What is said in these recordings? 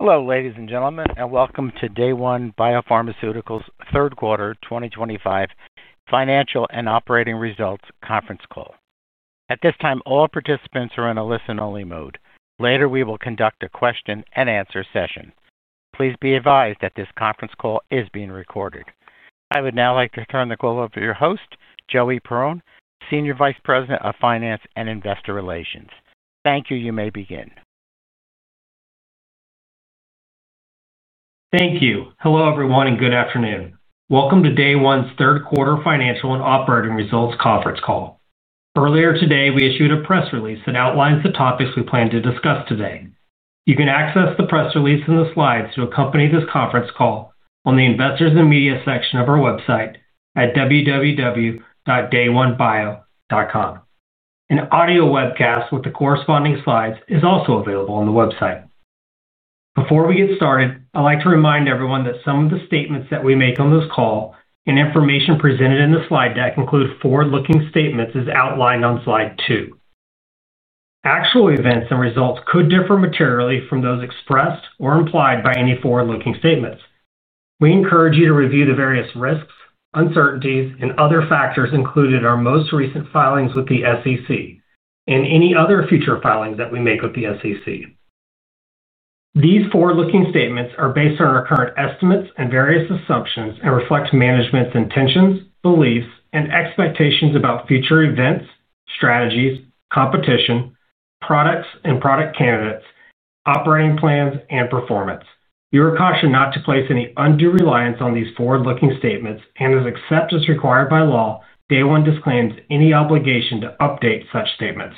Hello, ladies and gentlemen, and welcome to Day One Biopharmaceuticals' third quarter 2025 financial and operating results conference call. At this time, all participants are in a listen-only mode. Later, we will conduct a question-and-answer session. Please be advised that this conference call is being recorded. I would now like to turn the call over to your host, Joey Perrone, Senior Vice President of Finance and Investor Relations. Thank you. You may begin. Thank you. Hello, everyone, and good afternoon. Welcome to Day One's third quarter financial and operating results conference call. Earlier today, we issued a press release that outlines the topics we plan to discuss today. You can access the press release and the slides to accompany this conference call on the Investors and Media section of our website at www.dayonebio.com. An audio webcast with the corresponding slides is also available on the website. Before we get started, I'd like to remind everyone that some of the statements that we make on this call and information presented in the slide deck include forward-looking statements as outlined on slide two. Actual events and results could differ materially from those expressed or implied by any forward-looking statements. We encourage you to review the various risks, uncertainties, and other factors included in our most recent filings with the SEC and any other future filings that we make with the SEC. These forward-looking statements are based on our current estimates and various assumptions and reflect management's intentions, beliefs, and expectations about future events, strategies, competition, products and product candidates, operating plans, and performance. You are cautioned not to place any undue reliance on these forward-looking statements, and except as required by law, Day One Biopharmaceuticals disclaims any obligation to update such statements.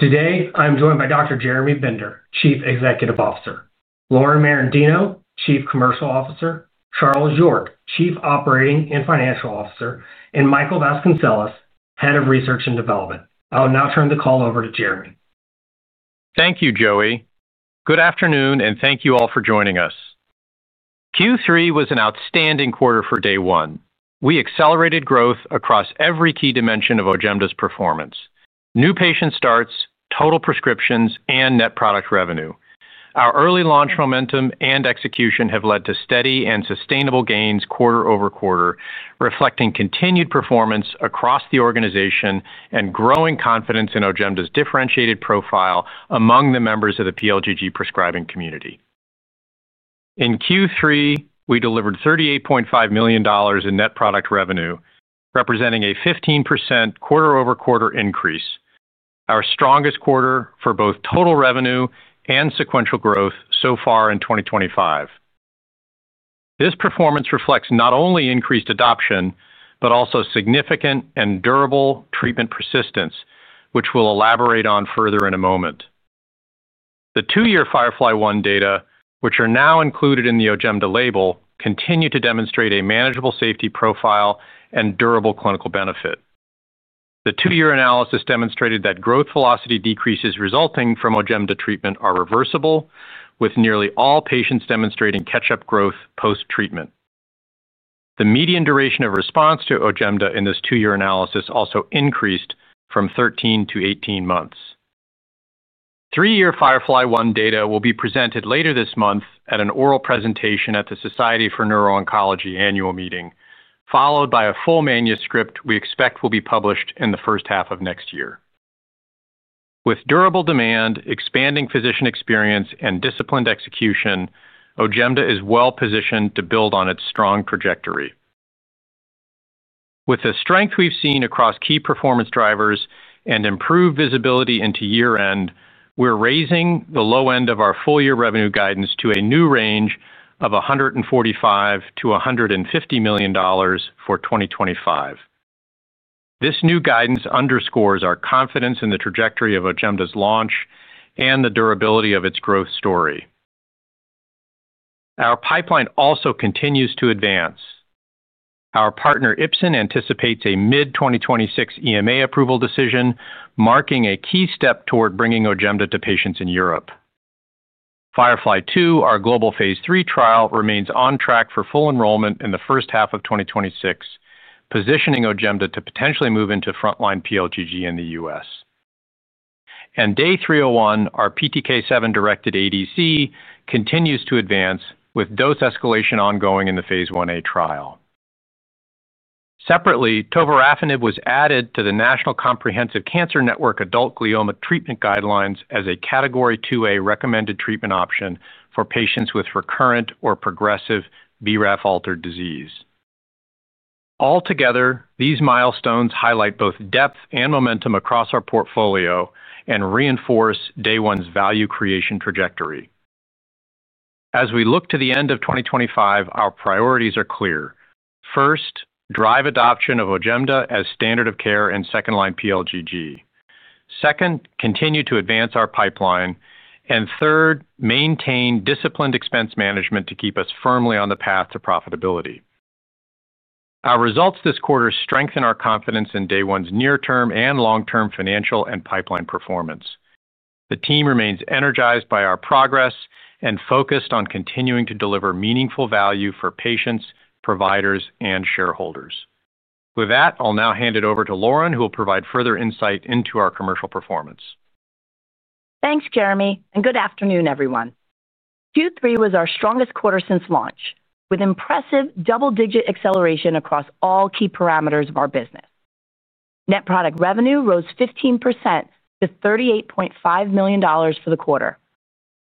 Today, I'm joined by Dr. Jeremy Bender, Chief Executive Officer, Lauren Merendino, Chief Commercial Officer, Charles York, Chief Operating and Financial Officer, and Michael Vasconcelles, Head of Research and Development. I will now turn the call over to Jeremy. Thank you, Joey. Good afternoon, and thank you all for joining us. Q3 was an outstanding quarter for Day One Biopharmaceuticals. We accelerated growth across every key dimension of OJEMDA's performance: new patient starts, total prescriptions, and net product revenue. Our early launch momentum and execution have led to steady and sustainable gains quarter-over-quarter, reflecting continued performance across the organization and growing confidence in OJEMDA's differentiated profile among the members of the pLGG prescribing community. In Q3, we delivered $38.5 million in net product revenue, representing a 15% quarter-over-quarter increase, our strongest quarter for both total revenue and sequential growth so far in 2025. This performance reflects not only increased adoption but also significant and durable treatment persistence, which we'll elaborate on further in a moment. The two-year FIREFLY-1 data, which are now included in the OJEMDA label, continue to demonstrate a manageable safety profile and durable clinical benefit. The two-year analysis demonstrated that growth velocity decreases resulting from OJEMDA treatment are reversible, with nearly all patients demonstrating catch-up growth post-treatment. The median duration of response to OJEMDA in this two-year analysis also increased from 13 to 18 months. Three-year FIREFLY-1 data will be presented later this month at an oral presentation at the Society for Neuro-Oncology annual meeting, followed by a full manuscript we expect will be published in the first half of next year. With durable demand, expanding physician experience, and disciplined execution, OJEMDA is well-positioned to build on its strong trajectory. With the strength we've seen across key performance drivers and improved visibility into year-end, we're raising the low end of our full-year revenue guidance to a new range of $145-$150 million for 2025. This new guidance underscores our confidence in the trajectory of OJEMDA's launch and the durability of its growth story. Our pipeline also continues to advance. Our partner, Ipsen, anticipates a mid-2026 EMA approval decision, marking a key step toward bringing OJEMDA to patients in Europe. FIREFLY-2, our global phase III trial, remains on track for full enrollment in the first half of 2026, positioning OJEMDA to potentially move into frontline pLGG in the U.S. And Day 301, our PTK7-directed ADC, continues to advance, with dose escalation ongoing in the phase I-A trial. Separately, Tovorafenib was added to the National Comprehensive Cancer Network adult glioma treatment guidelines as a Category 2A recommended treatment option for patients with recurrent or progressive BRAF-altered disease. Altogether, these milestones highlight both depth and momentum across our portfolio and reinforce Day One Biopharmaceuticals' value creation trajectory. As we look to the end of 2025, our priorities are clear. First, drive adoption of OJEMDA as standard of care in second-line pLGG. Second, continue to advance our pipeline. And third, maintain disciplined expense management to keep us firmly on the path to profitability. Our results this quarter strengthen our confidence in Day One Biopharmaceuticals' near-term and long-term financial and pipeline performance. The team remains energized by our progress and focused on continuing to deliver meaningful value for patients, providers, and shareholders. With that, I'll now hand it over to Lauren, who will provide further insight into our commercial performance. Thanks, Jeremy, and good afternoon, everyone. Q3 was our strongest quarter since launch, with impressive double-digit acceleration across all key parameters of our business. Net product revenue rose 15% to $38.5 million for the quarter.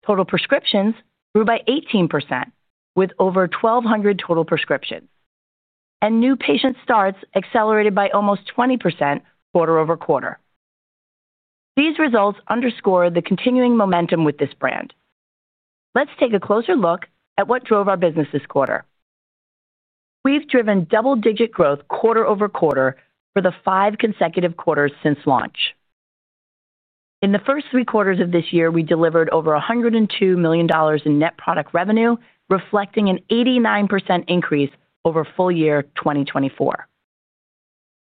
Total prescriptions grew by 18%, with over 1,200 total prescriptions. And new patient starts accelerated by almost 20% quarter-over-quarter. These results underscore the continuing momentum with this brand. Let's take a closer look at what drove our business this quarter. We've driven double-digit growth quarter-over-quarter for the five consecutive quarters since launch. In the first three quarters of this year, we delivered over $102 million in net product revenue, reflecting an 89% increase over full year 2024.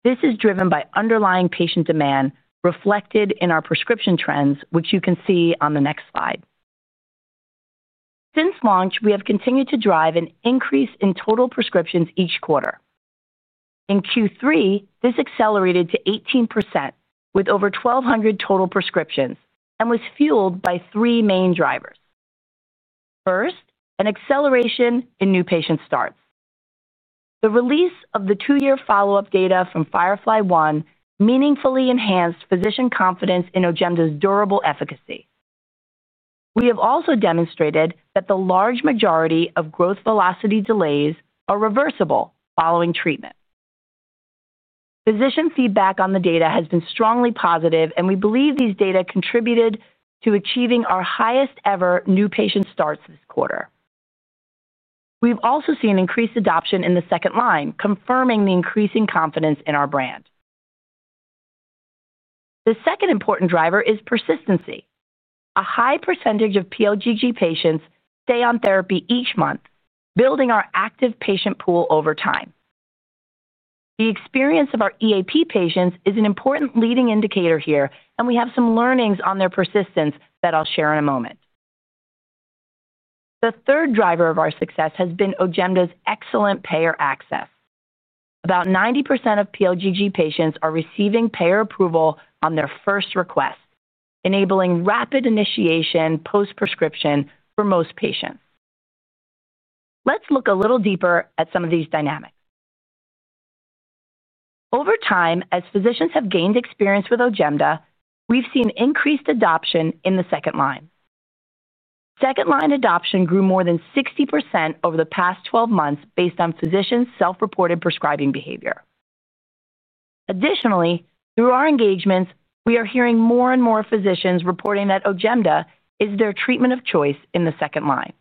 This is driven by underlying patient demand reflected in our prescription trends, which you can see on the next slide. Since launch, we have continued to drive an increase in total prescriptions each quarter. In Q3, this accelerated to 18% with over 1,200 total prescriptions and was fueled by three main drivers. First, an acceleration in new patient starts. The release of the two-year follow-up data from FIREFLY-1 meaningfully enhanced physician confidence in OJEMDA's durable efficacy. We have also demonstrated that the large majority of growth velocity delays are reversible following treatment. Physician feedback on the data has been strongly positive, and we believe these data contributed to achieving our highest-ever new patient starts this quarter. We've also seen increased adoption in the second line, confirming the increasing confidence in our brand. The second important driver is persistency. A high percentage of pLGG patients stay on therapy each month, building our active patient pool over time. The experience of our EAP patients is an important leading indicator here, and we have some learnings on their persistence that I'll share in a moment. The third driver of our success has been OJEMDA's excellent payer access. About 90% of pLGG patients are receiving payer approval on their first request, enabling rapid initiation post-prescription for most patients. Let's look a little deeper at some of these dynamics. Over time, as physicians have gained experience with OJEMDA, we've seen increased adoption in the second line. Second-line adoption grew more than 60% over the past 12 months based on physicians' self-reported prescribing behavior. Additionally, through our engagements, we are hearing more and more physicians reporting that OJEMDA is their treatment of choice in the second line.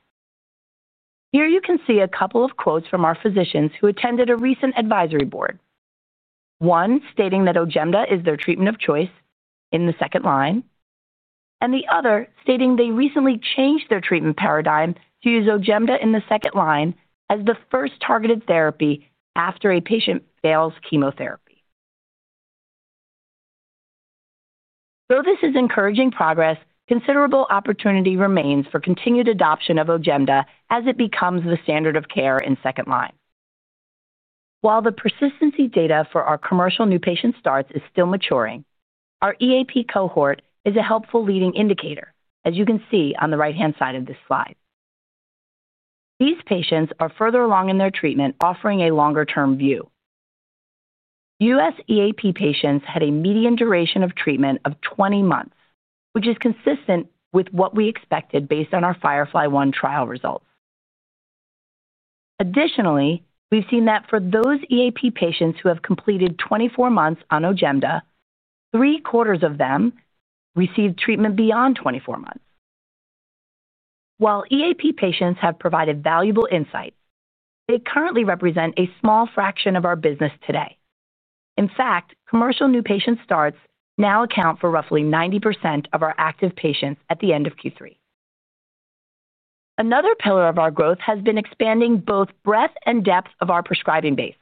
Here you can see a couple of quotes from our physicians who attended a recent advisory board. One stating that OJEMDA is their treatment of choice in the second line, and the other stating they recently changed their treatment paradigm to use OJEMDA in the second line as the first targeted therapy after a patient fails chemotherapy. Though this is encouraging progress, considerable opportunity remains for continued adoption of OJEMDA as it becomes the standard of care in second line. While the persistency data for our commercial new patient starts is still maturing, our EAP cohort is a helpful leading indicator, as you can see on the right-hand side of this slide. These patients are further along in their treatment, offering a longer-term view. U.S. EAP patients had a median duration of treatment of 20 months, which is consistent with what we expected based on our FIREFLY-1 trial results. Additionally, we've seen that for those EAP patients who have completed 24 months on OJEMDA, three-quarters of them received treatment beyond 24 months. While EAP patients have provided valuable insights, they currently represent a small fraction of our business today. In fact, commercial new patient starts now account for roughly 90% of our active patients at the end of Q3. Another pillar of our growth has been expanding both breadth and depth of our prescribing base.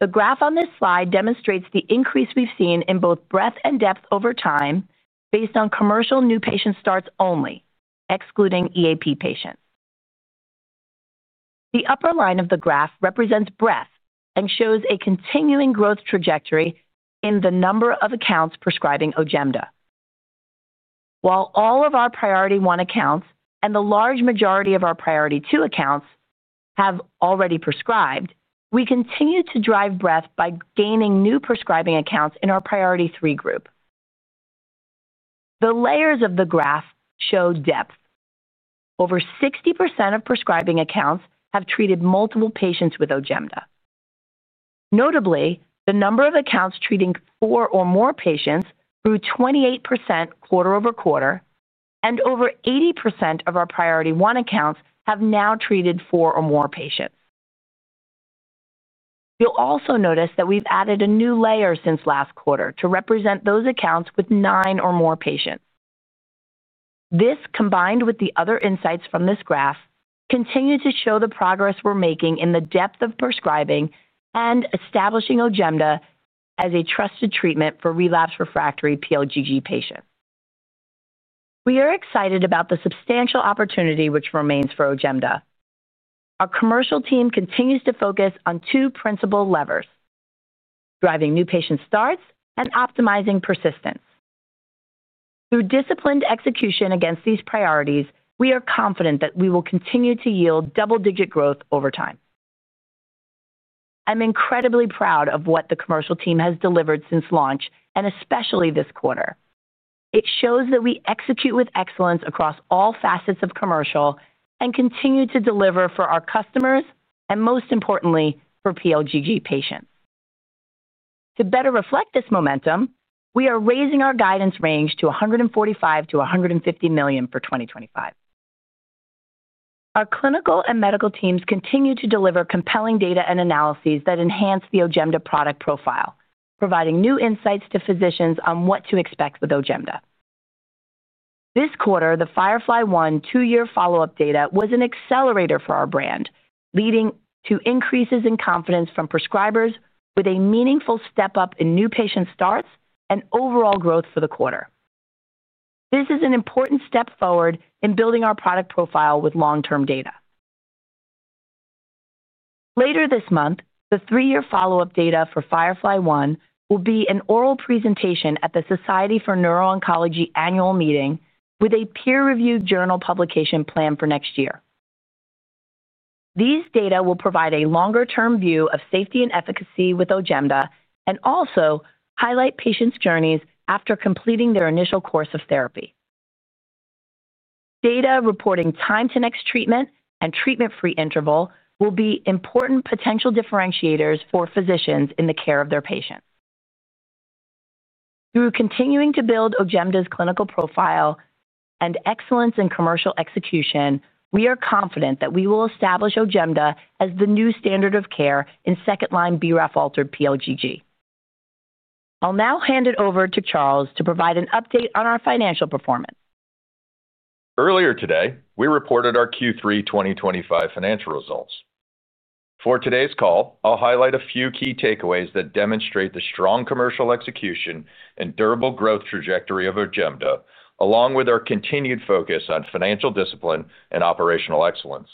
The graph on this slide demonstrates the increase we've seen in both breadth and depth over time based on commercial new patient starts only, excluding EAP patients. The upper line of the graph represents breadth and shows a continuing growth trajectory in the number of accounts prescribing OJEMDA. While all of our priority one accounts and the large majority of our priority two accounts have already prescribed, we continue to drive breadth by gaining new prescribing accounts in our priority three group. The layers of the graph show depth. Over 60% of prescribing accounts have treated multiple patients with OJEMDA. Notably, the number of accounts treating four or more patients grew 28% quarter-over-quarter, and over 80% of our priority one accounts have now treated four or more patients. You'll also notice that we've added a new layer since last quarter to represent those accounts with nine or more patients. This, combined with the other insights from this graph, continue to show the progress we're making in the depth of prescribing and establishing OJEMDA as a trusted treatment for relapsed or refractory pLGG patients. We are excited about the substantial opportunity which remains for OJEMDA. Our commercial team continues to focus on two principal levers. Driving new patient starts and optimizing persistence. Through disciplined execution against these priorities, we are confident that we will continue to yield double-digit growth over time. I'm incredibly proud of what the commercial team has delivered since launch, and especially this quarter. It shows that we execute with excellence across all facets of commercial and continue to deliver for our customers and, most importantly, for pLGG patients. To better reflect this momentum, we are raising our guidance range to $145-$150 million for 2025. Our clinical and medical teams continue to deliver compelling data and analyses that enhance the OJEMDA product profile, providing new insights to physicians on what to expect with OJEMDA. This quarter, the FIREFLY-1 two-year follow-up data was an accelerator for our brand, leading to increases in confidence from prescribers with a meaningful step-up in new patient starts and overall growth for the quarter. This is an important step forward in building our product profile with long-term data. Later this month, the three-year follow-up data for FIREFLY-1 will be an oral presentation at the Society for Neuro-Oncology annual meeting with a peer-reviewed journal publication planned for next year. These data will provide a longer-term view of safety and efficacy with OJEMDA and also highlight patients' journeys after completing their initial course of therapy. Data reporting time to next treatment and treatment-free interval will be important potential differentiators for physicians in the care of their patients. Through continuing to build OJEMDA's clinical profile and excellence in commercial execution, we are confident that we will establish OJEMDA as the new standard of care in second-line BRAF-altered pLGG. I'll now hand it over to Charles to provide an update on our financial performance. Earlier today, we reported our Q3 2025 financial results. For today's call, I'll highlight a few key takeaways that demonstrate the strong commercial execution and durable growth trajectory of OJEMDA, along with our continued focus on financial discipline and operational excellence.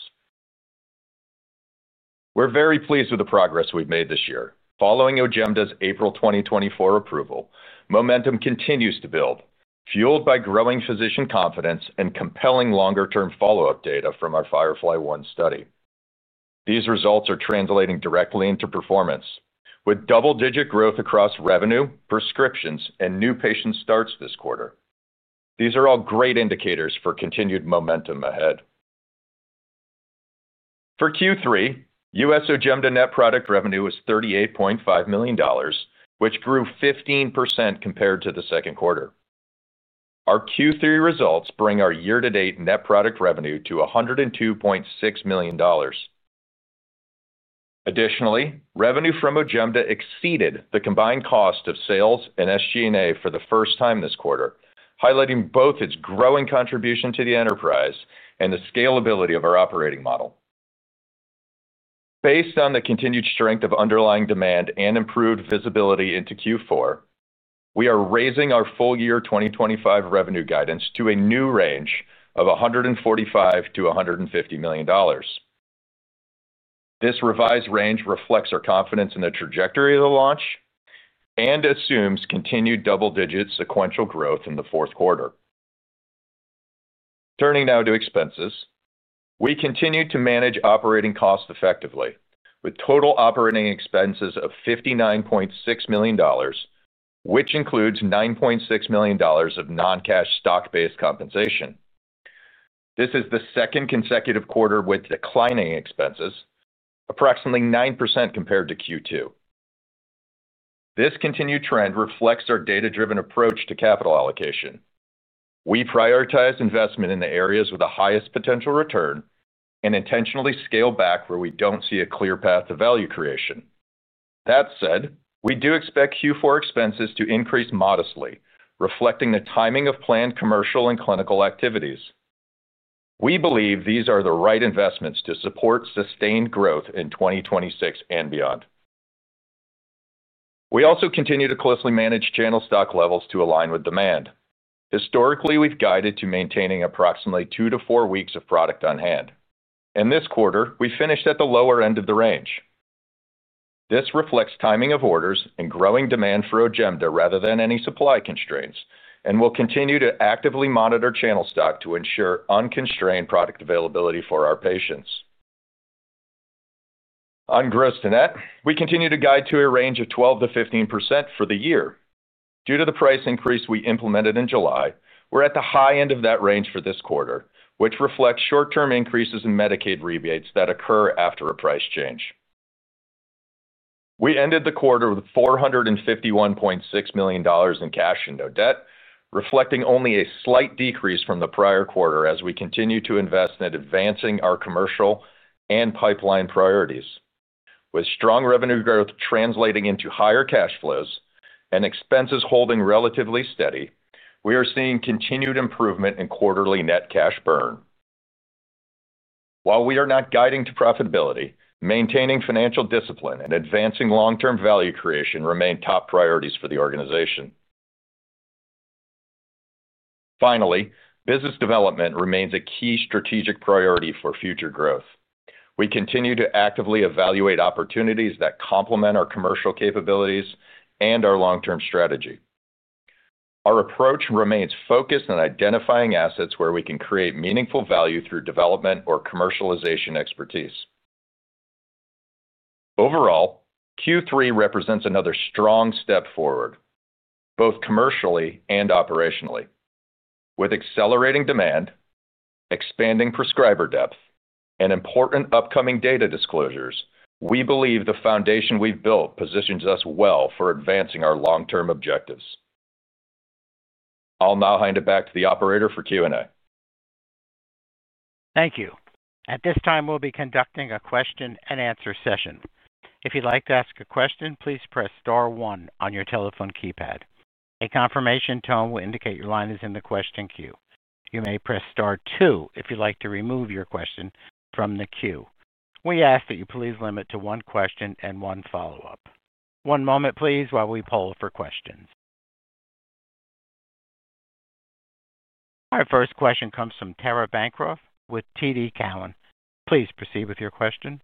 We're very pleased with the progress we've made this year. Following OJEMDA's April 2024 approval, momentum continues to build, fueled by growing physician confidence and compelling longer-term follow-up data from our FIREFLY-1 study. These results are translating directly into performance, with double-digit growth across revenue, prescriptions, and new patient starts this quarter. These are all great indicators for continued momentum ahead. For Q3, U.S. OJEMDA net product revenue was $38.5 million, which grew 15% compared to the second quarter. Our Q3 results bring our year-to-date net product revenue to $102.6 million. Additionally, revenue from OJEMDA exceeded the combined cost of sales and SG&A for the first time this quarter, highlighting both its growing contribution to the enterprise and the scalability of our operating model. Based on the continued strength of underlying demand and improved visibility into Q4, we are raising our full year 2025 revenue guidance to a new range of $145-$150 million. This revised range reflects our confidence in the trajectory of the launch and assumes continued double-digit sequential growth in the fourth quarter. Turning now to expenses, we continue to manage operating costs effectively, with total operating expenses of $59.6 million, which includes $9.6 million of non-cash stock-based compensation. This is the second consecutive quarter with declining expenses, approximately 9% compared to Q2. This continued trend reflects our data-driven approach to capital allocation. We prioritize investment in the areas with the highest potential return and intentionally scale back where we don't see a clear path to value creation. That said, we do expect Q4 expenses to increase modestly, reflecting the timing of planned commercial and clinical activities. We believe these are the right investments to support sustained growth in 2026 and beyond. We also continue to closely manage channel stock levels to align with demand. Historically, we've guided to maintaining approximately two to four weeks of product on hand. In this quarter, we finished at the lower end of the range. This reflects timing of orders and growing demand for OJEMDA rather than any supply constraints, and we'll continue to actively monitor channel stock to ensure unconstrained product availability for our patients. On gross-to-net, we continue to guide to a range of 12%-15% for the year. Due to the price increase we implemented in July, we're at the high end of that range for this quarter, which reflects short-term increases in Medicaid rebates that occur after a price change. We ended the quarter with $451.6 million in cash and no debt, reflecting only a slight decrease from the prior quarter as we continue to invest in advancing our commercial and pipeline priorities. With strong revenue growth translating into higher cash flows and expenses holding relatively steady, we are seeing continued improvement in quarterly net cash burn. While we are not guiding to profitability, maintaining financial discipline and advancing long-term value creation remain top priorities for the organization. Finally, business development remains a key strategic priority for future growth. We continue to actively evaluate opportunities that complement our commercial capabilities and our long-term strategy. Our approach remains focused on identifying assets where we can create meaningful value through development or commercialization expertise. Overall, Q3 represents another strong step forward. Both commercially and operationally. With accelerating demand, expanding prescriber depth, and important upcoming data disclosures, we believe the foundation we've built positions us well for advancing our long-term objectives. I'll now hand it back to the operator for Q&A. Thank you. At this time, we'll be conducting a question-and-answer session. If you'd like to ask a question, please press Star One on your telephone keypad. A confirmation tone will indicate your line is in the question queue. You may press Star Two if you'd like to remove your question from the queue. We ask that you please limit to one question and one follow-up. One moment, please, while we poll for questions. Our first question comes from Tara Bancroft with TD Cowen. Please proceed with your question.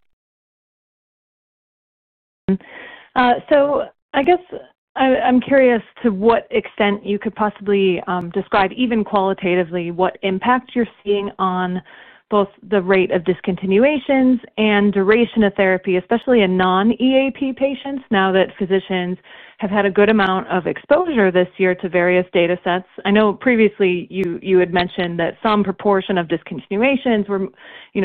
So I guess I'm curious to what extent you could possibly describe, even qualitatively, what impact you're seeing on both the rate of discontinuations and duration of therapy, especially in non-EAP patients, now that physicians have had a good amount of exposure this year to various data sets. I know previously you had mentioned that some proportion of discontinuations were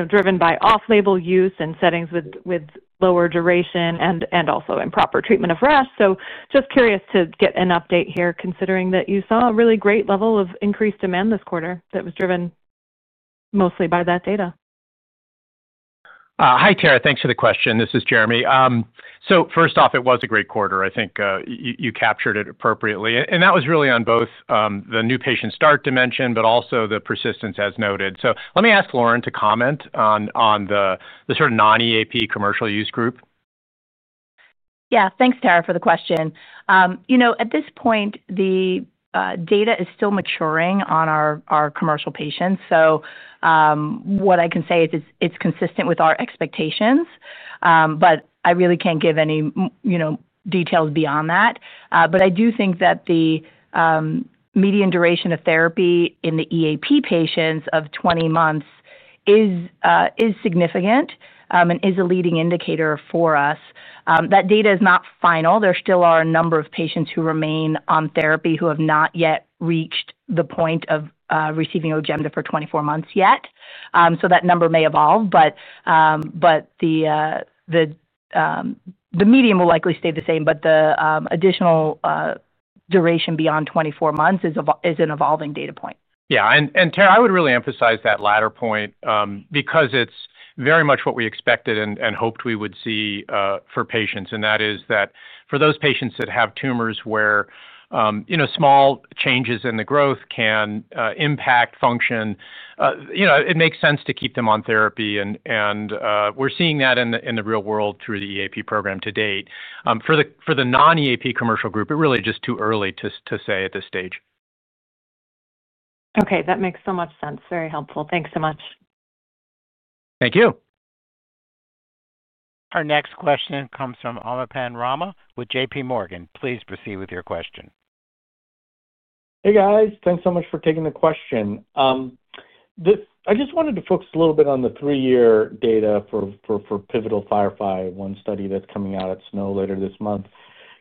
driven by off-label use and settings with lower duration and also improper treatment of rash. So just curious to get an update here, considering that you saw a really great level of increased demand this quarter that was driven mostly by that data. Hi, Tara. Thanks for the question. This is Jeremy. So first off, it was a great quarter. I think you captured it appropriately. And that was really on both the new patient start dimension, but also the persistence, as noted. So let me ask Lauren to comment on the sort of non-EAP commercial use group. Yeah. Thanks, Tara, for the question. At this point, the data is still maturing on our commercial patients. So what I can say is it's consistent with our expectations, but I really can't give any details beyond that. But I do think that the median duration of therapy in the EAP patients of 20 months is significant and is a leading indicator for us. That data is not final. There still are a number of patients who remain on therapy who have not yet reached the point of receiving OJEMDA for 24 months yet. So that number may evolve, but the median will likely stay the same, but the additional duration beyond 24 months is an evolving data point. Yeah. And Tara, I would really emphasize that latter point because it's very much what we expected and hoped we would see for patients. And that is that for those patients that have tumors where small changes in the growth can impact function. It makes sense to keep them on therapy. And we're seeing that in the real world through the EAP program to date. For the non-EAP commercial group, it really is just too early to say at this stage. Okay. That makes so much sense. Very helpful. Thanks so much. Thank you. Our next question comes from Anupam Rama with JPMorgan. Please proceed with your question. Hey, guys. Thanks so much for taking the question. I just wanted to focus a little bit on the three-year data for pivotal FIREFLY-1 study that's coming out at SNO later this month.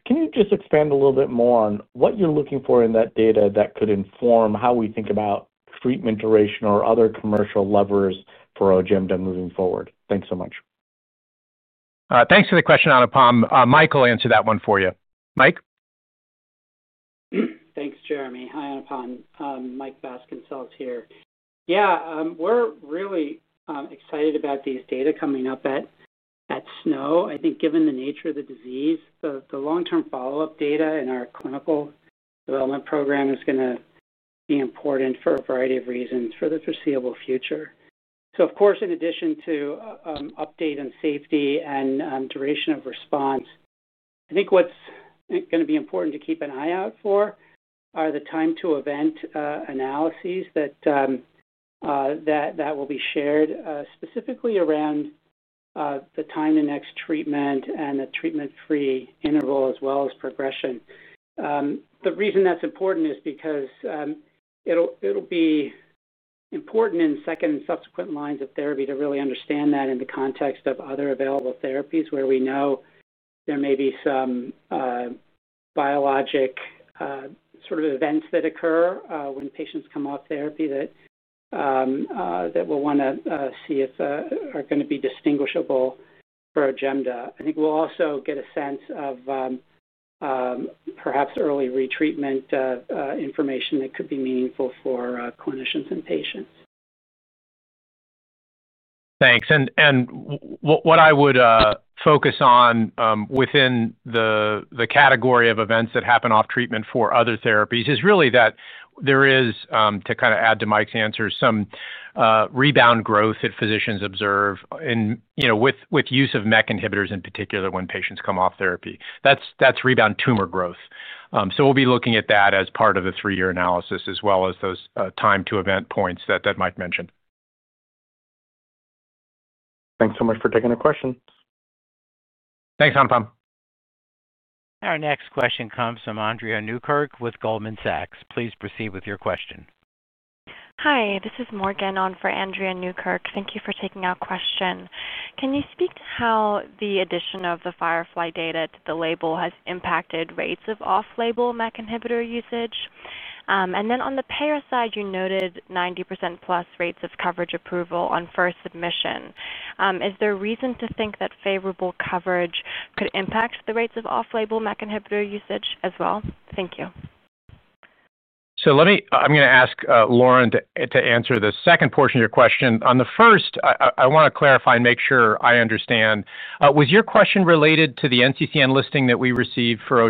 Can you just expand a little bit more on what you're looking for in that data that could inform how we think about treatment duration or other commercial levers for OJEMDA moving forward? Thanks so much. Thanks for the question, Anupam. Mike will answer that one for you. Mike? Thanks, Jeremy. Hi, everyone. Mike Vasconcelles here. Yeah. We're really excited about these data coming up at SNO. I think given the nature of the disease, the long-term follow-up data in our clinical development program is going to be important for a variety of reasons for the foreseeable future. So of course, in addition to an update on safety and duration of response, I think what's going to be important to keep an eye out for are the time-to-event analyses that will be shared specifically around the time to next treatment and the treatment-free interval as well as progression. The reason that's important is because it'll be important in second and subsequent lines of therapy to really understand that in the context of other available therapies where we know there may be some biologic sort of events that occur when patients come off therapy that we'll want to see if are going to be distinguishable for OJEMDA. I think we'll also get a sense of perhaps early retreatment information that could be meaningful for clinicians and patients. Thanks. And what I would focus on within the category of events that happen off treatment for other therapies is really that there is, to kind of add to Mike's answer, some rebound growth that physicians observe with use of MEK inhibitors in particular when patients come off therapy. That's rebound tumor growth. So we'll be looking at that as part of the three-year analysis as well as those time-to-event points that Mike mentioned. Thanks so much for taking the question. Thanks, Anupam. Our next question comes from Andrea Newkirk with Goldman Sachs. Please proceed with your question. Hi. This is Morgan on for Andrea Newkirk. Thank you for taking our question. Can you speak to how the addition of the FIREFLY data to the label has impacted rates of off-label MEK inhibitor usage? And then on the payer side, you noted 90%-plus rates of coverage approval on first submission. Is there a reason to think that favorable coverage could impact the rates of off-label MEK inhibitor usage as well? Thank you. f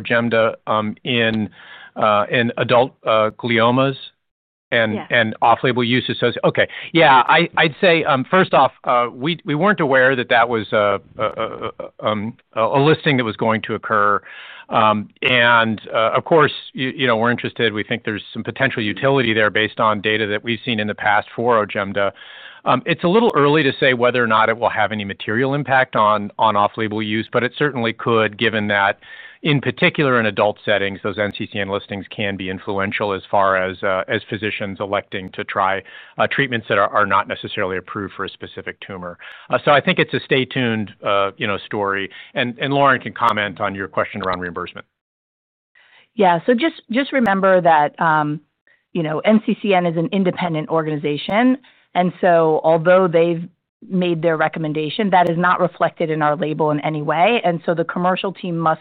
Yeah. Okay. Yeah. I'd say, first off, we weren't aware that that was a listing that was going to occur. And of course, we're interested. We think there's some potential utility there based on data that we've seen in the past for OJEMDA. It's a little early to say whether or not it will have any material impact on off-label use, but it certainly could, given that, in particular, in adult settings, those NCCN listings can be influential as far as physicians electing to try treatments that are not necessarily approved for a specific tumor. So I think it's a stay-tuned story. And Lauren can comment on your question around reimbursement. Yeah. So just remember that. NCCN is an independent organization. And so although they've made their recommendation, that is not reflected in our label in any way. And so the commercial team must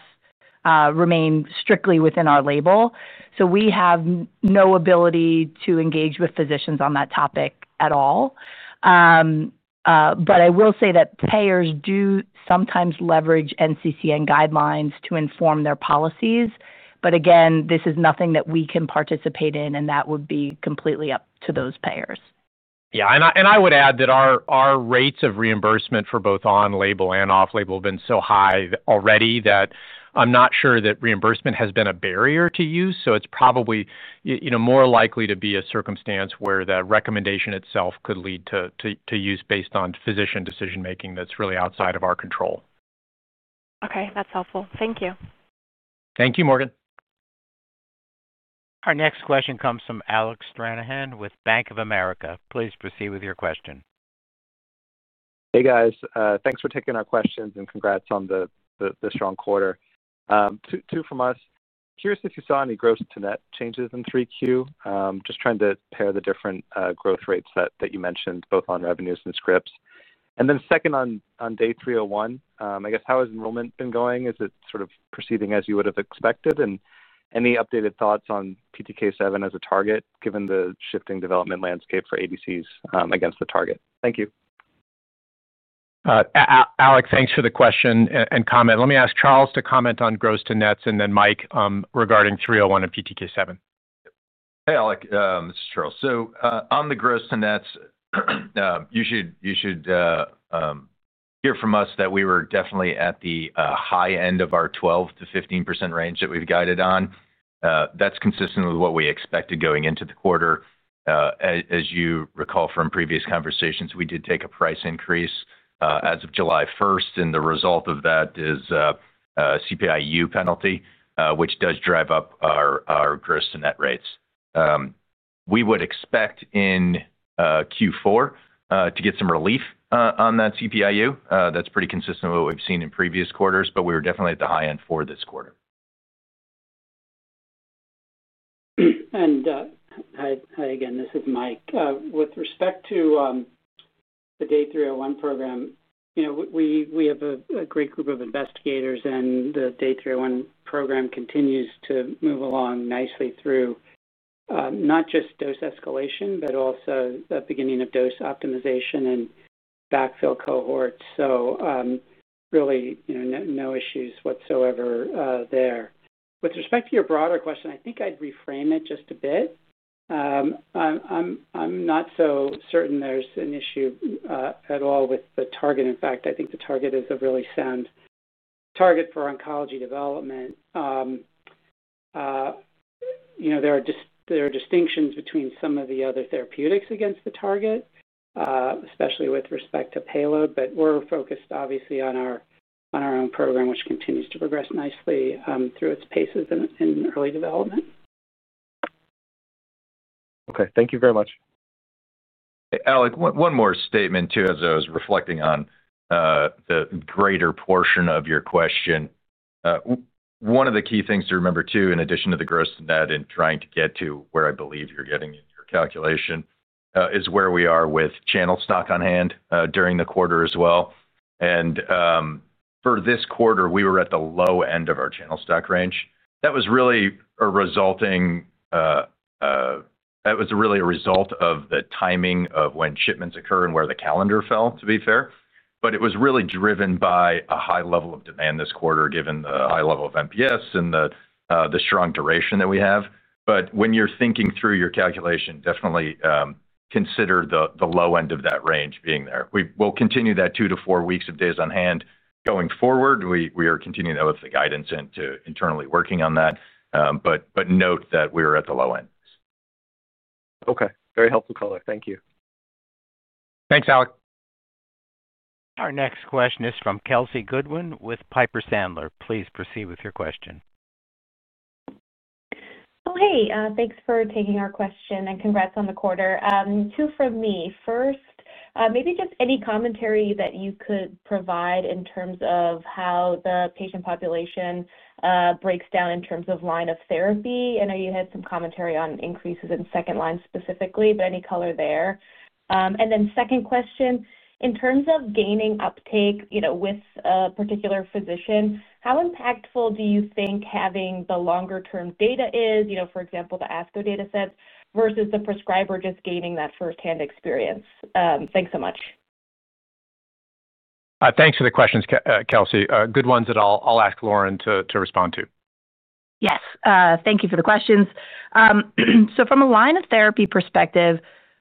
remain strictly within our label. So we have no ability to engage with physicians on that topic at all. But I will say that payers do sometimes leverage NCCN guidelines to inform their policies. But again, this is nothing that we can participate in, and that would be completely up to those payers. Yeah. And I would add that our rates of reimbursement for both on-label and off-label have been so high already that I'm not sure that reimbursement has been a barrier to use. So it's probably more likely to be a circumstance where the recommendation itself could lead to use based on physician decision-making that's really outside of our control. Okay. That's helpful. Thank you. Thank you, Morgan. Our next question comes from Alec Stranahan with Bank of America. Please proceed with your question. Hey, guys. Thanks for taking our questions and congrats on the strong quarter. Two from us. Curious if you saw any gross-to-net changes in 3Q. Just trying to pair the different growth rates that you mentioned, both on revenues and scripts. And then second, on DAY 301, I guess, how has enrollment been going? Is it sort of proceeding as you would have expected? And any updated thoughts on PTK7 as a target, given the shifting development landscape for ADCs against the target? Thank you. Alec, thanks for the question and comment. Let me ask Charles to comment on gross-to-nets and then Mike regarding 301 and PTK7. Hey, Alec. This is Charles. So on the gross-to-nets, you should hear from us that we were definitely at the high end of our 12%-15% range that we've guided on. That's consistent with what we expected going into the quarter. As you recall from previous conversations, we did take a price increase as of July 1st, and the result of that is a CPIU penalty, which does drive up our gross-to-net rates. We would expect in Q4 to get some relief on that CPIU. That's pretty consistent with what we've seen in previous quarters, but we were definitely at the high end for this quarter. Hi again. This is Mike. With respect to the DAY 301 program, we have a great group of investigators, and the DAY 301 program continues to move along nicely through not just dose escalation, but also the beginning of dose optimization and backfill cohorts. Really no issues whatsoever there. With respect to your broader question, I think I'd reframe it just a bit. I'm not so certain there's an issue at all with the target. In fact, I think the target is a really sound target for oncology development. There are distinctions between some of the other therapeutics against the target, especially with respect to payload, but we're focused, obviously, on our own program, which continues to progress nicely through its paces in early development. Okay. Thank you very much. Hey, Alec, one more statement too, as I was reflecting on the greater portion of your question. One of the key things to remember too, in addition to the gross-to-net and trying to get to where I believe you're getting in your calculation, is where we are with channel stock on hand during the quarter as well. For this quarter, we were at the low end of our channel stock range. That was really a result of the timing of when shipments occur and where the calendar fell, to be fair. But it was really driven by a high level of demand this quarter, given the high level of NPS and the strong duration that we have. But when you're thinking through your calculation, definitely consider the low end of that range being there. We'll continue that two to four weeks of days on hand going forward. We are continuing that with the guidance and internally working on that. But note that we are at the low end. Okay. Very helpful, caller. Thank you. Thanks, Alec. Our next question is from Kelsey Goodwin with Piper Sandler. Please proceed with your question. Oh, hey. Thanks for taking our question and congrats on the quarter. Two from me. First, maybe just any commentary that you could provide in terms of how the patient population breaks down in terms of line of therapy. I know you had some commentary on increases in second line specifically, but any color there? And then second question, in terms of gaining uptake with a particular physician, how impactful do you think having the longer-term data is, for example, the ASCO data sets versus the prescriber just gaining that firsthand experience? Thanks so much. Thanks for the questions, Kelsey. Good ones that I'll ask Lauren to respond to. Yes. Thank you for the questions. So from a line of therapy perspective,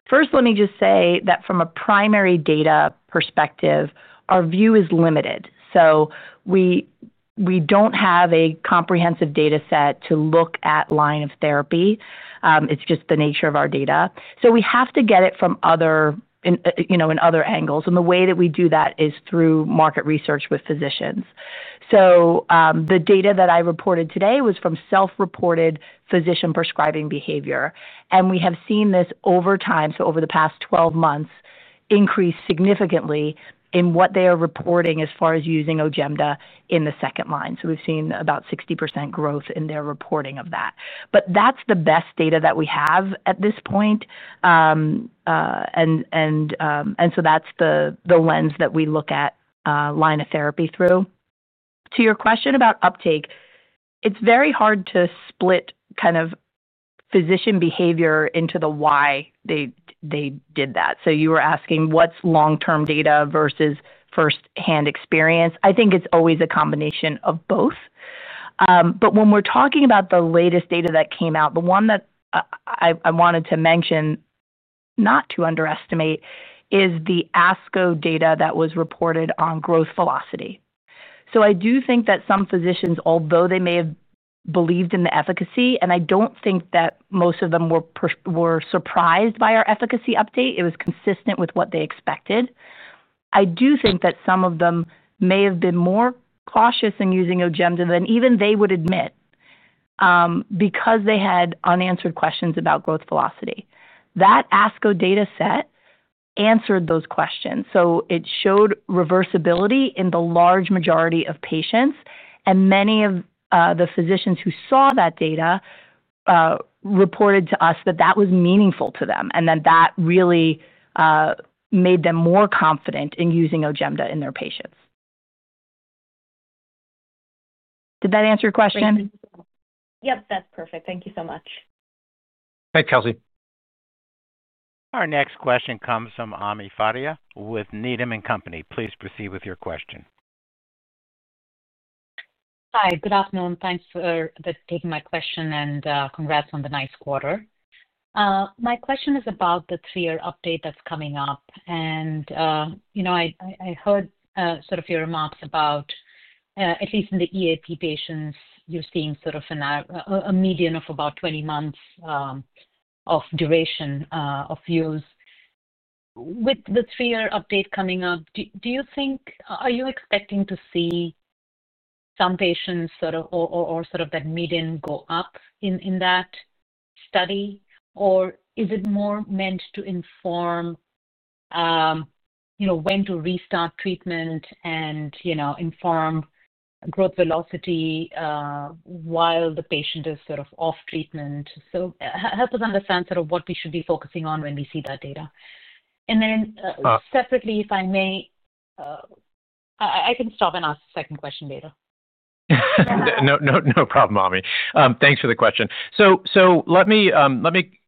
first, let me just say that from a primary data perspective, our view is limited. So we don't have a comprehensive data set to look at line of therapy. It's just the nature of our data. So we have to get it from other angles. And the way that we do that is through market research with physicians. So the data that I reported today was from self-reported physician prescribing behavior. And we have seen this over time, so over the past 12 months, increase significantly in what they are reporting as far as using OJEMDA in the second line. So we've seen about 60% growth in their reporting of that. But that's the best data that we have at this point. And so that's the lens that we look at line of therapy through. To your question about uptake, it's very hard to split kind of physician behavior into the why they did that. So you were asking what's long-term data versus firsthand experience. I think it's always a combination of both. But when we're talking about the latest data that came out, the one that I wanted to mention, not to underestimate, is the ASCO data that was reported on growth velocity. So I do think that some physicians, although they may have believed in the efficacy, and I don't think that most of them were surprised by our efficacy update, it was consistent with what they expected, I do think that some of them may have been more cautious in using OJEMDA than even they would admit. Because they had unanswered questions about growth velocity. That ASCO data set answered those questions. So it showed reversibility in the large majority of patients. And many of the physicians who saw that data reported to us that that was meaningful to them and that that really made them more confident in using OJEMDA in their patients. Did that answer your question? Yep. That's perfect. Thank you so much. Thanks, Kelsey. Our next question comes from Ami Fadia with Needham & Company. Please proceed with your question. Hi. Good afternoon. Thanks for taking my question and congrats on the nice quarter. My question is about the three-year update that's coming up. And I heard sort of your remarks about at least in the EAP patients, you're seeing sort of a median of about 20 months of duration of use. With the three-year update coming up, do you think are you expecting to see some patients sort of that median go up in that study? Or is it more meant to inform when to restart treatment and inform growth velocity while the patient is sort of off treatment? So help us understand sort of what we should be focusing on when we see that data. And then separately, if I may. I can stop and ask a second question later. No problem, Ami. Thanks for the question. So let me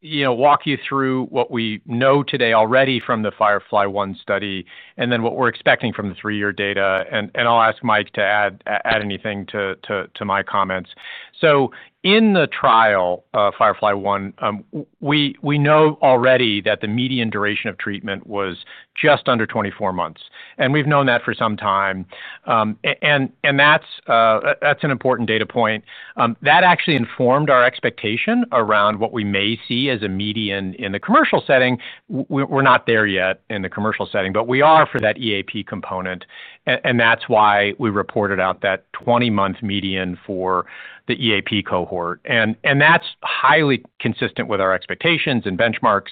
walk you through what we know today already from the FIREFLY-1 study and then what we're expecting from the three-year data. And I'll ask Mike to add anything to my comments. So in the trial FIREFLY-1, we know already that the median duration of treatment was just under 24 months. And we've known that for some time. And that's an important data point that actually informed our expectation around what we may see as a median in the commercial setting. We're not there yet in the commercial setting, but we are for that EAP component. And that's why we reported out that 20-month median for the EAP cohort. And that's highly consistent with our expectations and benchmarks.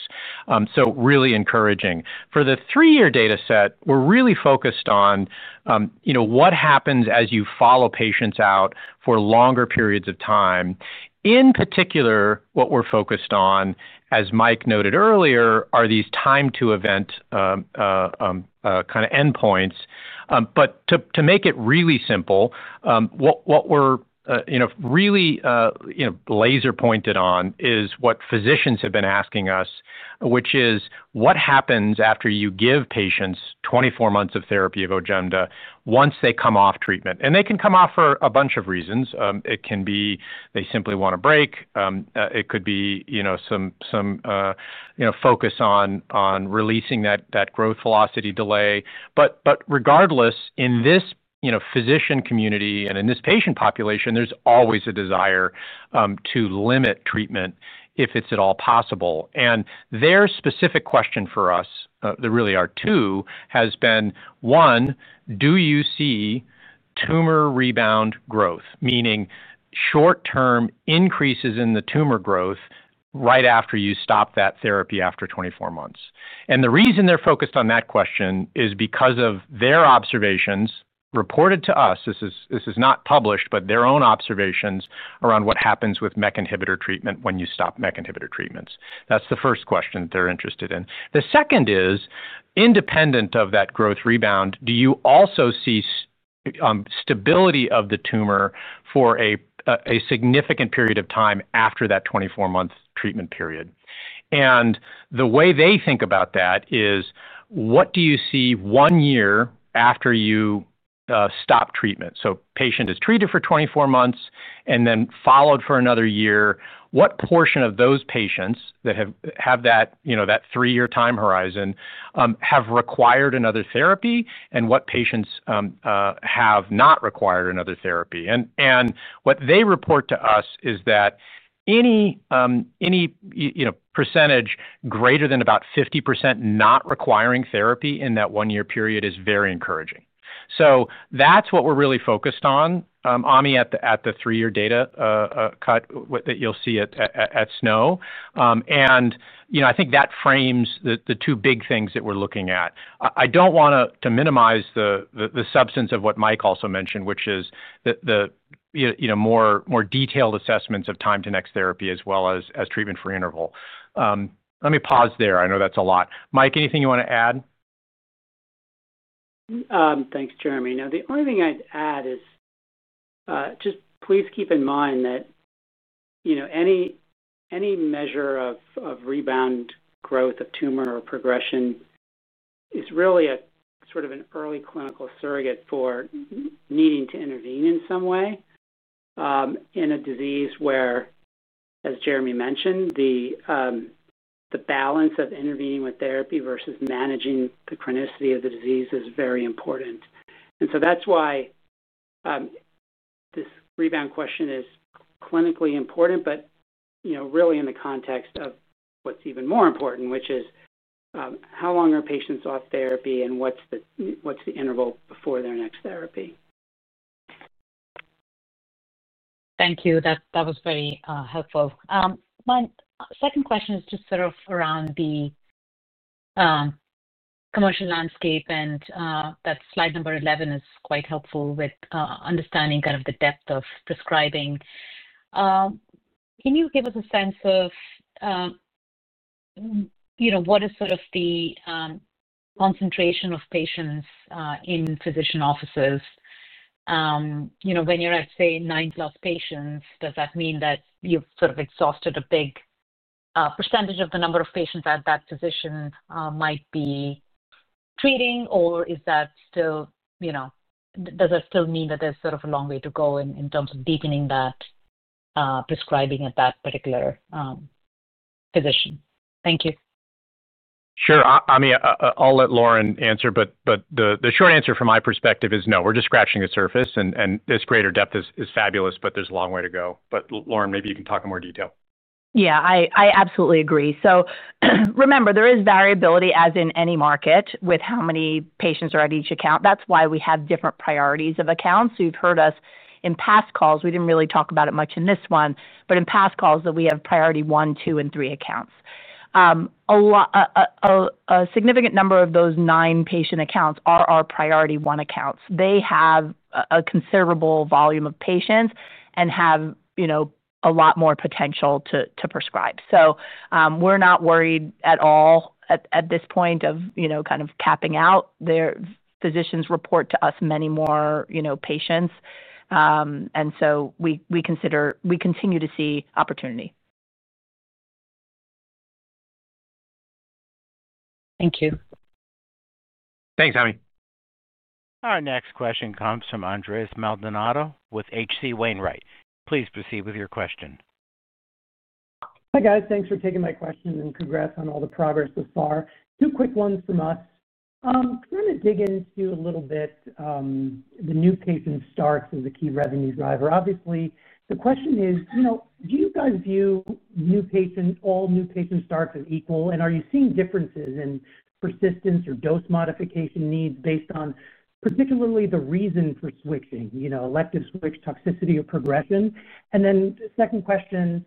So really encouraging. For the three-year data set, we're really focused on what happens as you follow patients out for longer periods of time. In particular, what we're focused on, as Mike noted earlier, are these time-to-event kind of endpoints. But to make it really simple, what we're really laser-pointed on is what physicians have been asking us, which is, what happens after you give patients 24 months of therapy of OJEMDA once they come off treatment? And they can come off for a bunch of reasons. It can be they simply want a break. It could be some focus on releasing that growth velocity delay. But regardless, in this physician community and in this patient population, there's always a desire to limit treatment if it's at all possible. And their specific question for us, there really are two, has been, one, do you see tumor rebound growth, meaning short-term increases in the tumor growth right after you stop that therapy after 24 months? And the reason they're focused on that question is because of their observations reported to us. This is not published, but their own observations around what happens with MEK inhibitor treatment when you stop MEK inhibitor treatments. That's the first question that they're interested in. The second is independent of that growth rebound, do you also see stability of the tumor for a significant period of time after that 24-month treatment period? And the way they think about that is what do you see one year after you stop treatment? So a patient is treated for 24 months and then followed for another year. What portion of those patients that have that three-year time horizon have required another therapy, and what patients have not required another therapy? And what they report to us is that any percentage greater than about 50% not requiring therapy in that one-year period is very encouraging. So that's what we're really focused on, Ami, at the three-year data cut that you'll see at SNO. And I think that frames the two big things that we're looking at. I don't want to minimize the substance of what Mike also mentioned, which is the. More detailed assessments of time to next therapy as well as treatment-free interval. Let me pause there. I know that's a lot. Mike, anything you want to add? Thanks, Jeremy. Now, the only thing I'd add is just please keep in mind that any measure of rebound growth of tumor or progression is really sort of an early clinical surrogate for needing to intervene in some way in a disease where, as Jeremy mentioned, the balance of intervening with therapy versus managing the chronicity of the disease is very important. And so that's why this rebound question is clinically important, but really in the context of what's even more important, which is how long are patients off therapy and what's the interval before their next therapy? Thank you. That was very helpful. My second question is just sort of around the commercial landscape, and that slide number 11 is quite helpful with understanding kind of the depth of prescribing. Can you give us a sense of what is sort of the concentration of patients in physician offices? When you're at, say, 90+ patients, does that mean that you've sort of exhausted a big percentage of the number of patients that that physician might be treating, or is that still? Does that still mean that there's sort of a long way to go in terms of deepening that prescribing at that particular physician? Thank you. Sure. I mean, I'll let Lauren answer, but the short answer from my perspective is no. We're just scratching the surface, and this greater depth is fabulous, but there's a long way to go. But Lauren, maybe you can talk in more detail. Yeah. I absolutely agree. So. Remember, there is variability as in any market with how many patients are at each account. That's why we have different priorities of accounts. So you've heard us in past calls, we didn't really talk about it much in this one, but in past calls that we have priority one, two, and three accounts. A significant number of those nine patient accounts are our priority one accounts. They have a considerable volume of patients and have a lot more potential to prescribe. So we're not worried at all at this point of kind of capping out. Physicians report to us many more patients. And so we continue to see opportunity. Thank you. Thanks, Ami. Our next question comes from Andres Maldonado with H.C. Wainwright. Please proceed with your question. Hi, guys. Thanks for taking my question and congrats on all the progress so far. Two quick ones from us. Kind of dig into a little bit. The new patient starts as a key revenue driver. Obviously, the question is, do you guys view all new patient starts as equal? And are you seeing differences in persistence or dose modification needs based on particularly the reason for switching, elective switch, toxicity, or progression? And then the second question.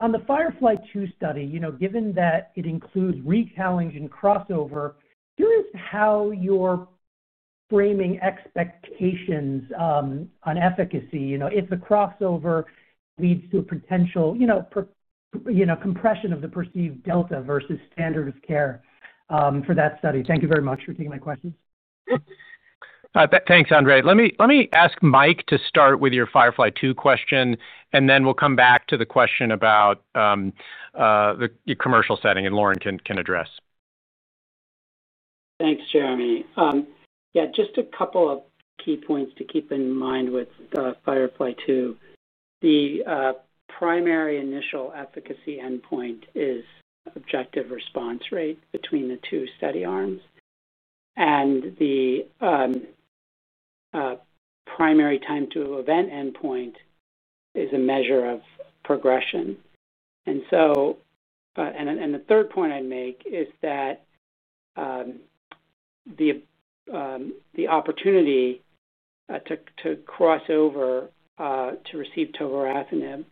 On the FIREFLY-2 study, given that it includes recurrent and crossover, curious how you're framing expectations on efficacy if the crossover leads to a potential compression of the perceived delta versus standard of care for that study. Thank you very much for taking my questions. Thanks, Andres. Let me ask Mike to start with your FIREFLY-2 question, and then we'll come back to the question about the commercial setting, and Lauren can address. Thanks, Jeremy. Yeah, just a couple of key points to keep in mind with FIREFLY-2. The primary initial efficacy endpoint is objective response rate between the two study arms. And the primary time-to-event endpoint is a measure of progression. And the third point I'd make is that the opportunity to crossover to receive tovorafenib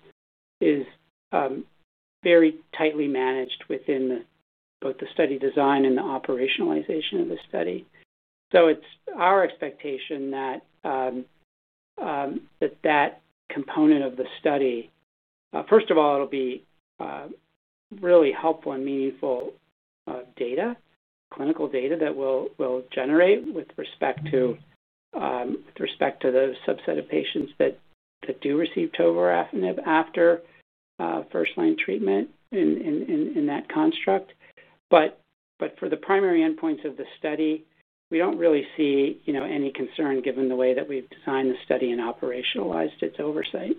is very tightly managed within both the study design and the operationalization of the study. So it's our expectation that that component of the study, first of all, it'll be really helpful and meaningful data, clinical data that we'll generate with respect to the subset of patients that do receive tovorafenib after first-line treatment in that construct. But for the primary endpoints of the study, we don't really see any concern given the way that we've designed the study and operationalized its oversight.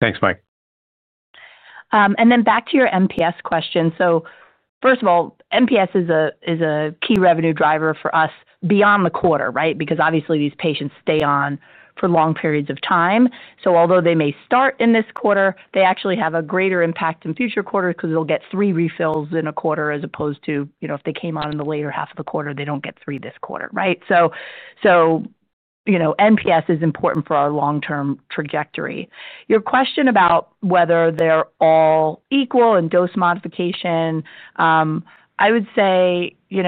Thanks, Mike. And then back to your MPS question. So first of all, MPS is a key revenue driver for us beyond the quarter, right? Because obviously, these patients stay on for long periods of time. So although they may start in this quarter, they actually have a greater impact in future quarters because they'll get three refills in a quarter as opposed to if they came on in the later half of the quarter, they don't get three this quarter, right? So, MPS is important for our long-term trajectory. Your question about whether they're all equal in dose modification. I would say we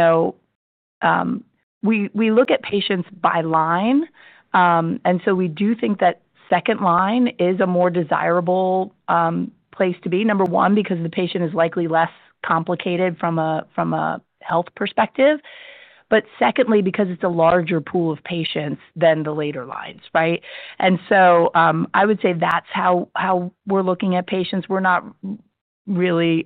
look at patients by line. And so we do think that second line is a more desirable place to be, number one, because the patient is likely less complicated from a health perspective. But secondly, because it's a larger pool of patients than the later lines, right? And so I would say that's how we're looking at patients. We're not really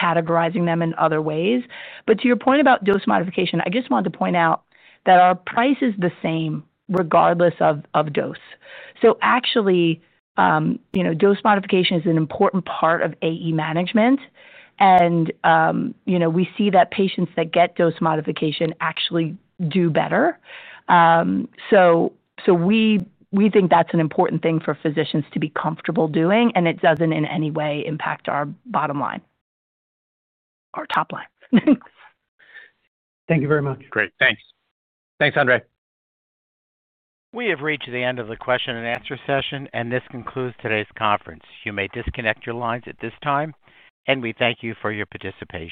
categorizing them in other ways. But to your point about dose modification, I just wanted to point out that our price is the same regardless of dose. So actually, dose modification is an important part of AE management. And we see that patients that get dose modification actually do better. So, we think that's an important thing for physicians to be comfortable doing, and it doesn't in any way impact our bottom line or top line. Thank you very much. Great. Thanks. Thanks, Andres. We have reached the end of the question and answer session, and this concludes today's conference. You may disconnect your lines at this time, and we thank you for your participation.